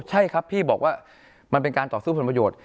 ใช่ครับพี่บอกว่ามันเป็นการต่อสู้ผลประโยชน์